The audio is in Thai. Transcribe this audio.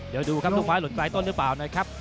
เดี๋ยวดูครับลูกฟ้าหล่นนายต้นหรือเปล่าหน่อยครับ